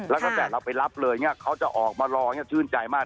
แล้วก็แต่เราไปรับเลยเนี่ยเขาจะออกมารอชื่นใจมาก